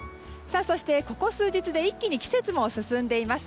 そしてここ数日で一気に季節も進んでいます。